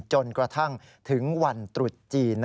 จนกระทั่งถึงวันตรุษจีน